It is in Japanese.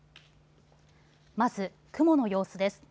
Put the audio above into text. まず、雲の様子です。